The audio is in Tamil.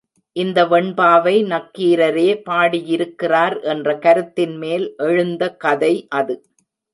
இந்த வெண்பாவை நக்கீரரே பாடியிருக்கிறார் என்ற கருத்தின்மேல் எழுந்த கதை அது.